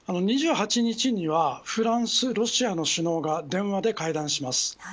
２８日にはフランス、ロシアの首脳が電話で会談します。